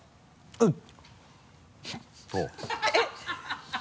うん。